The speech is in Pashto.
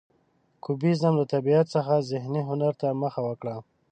کوبیزم له طبیعت څخه ذهني هنر ته مخه وکړه.